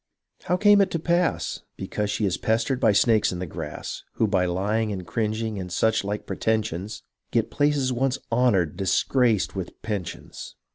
' How came it to pass? ' Because she is pestered by snakes in the grass, Who by lying and cringing, and such like pretensions Get places once honoured disgraced with pensions.